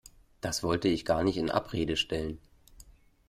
Das wollte ich gar nicht in Abrede stellen.